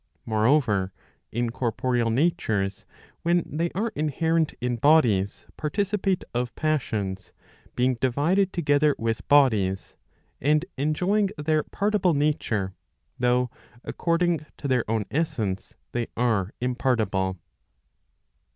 Moreover, incorporeal natures when they are inherent in bodies*, participate of passions, being divided together with bodies, and enjoying their partible nature, though according to their own essence they are impartible.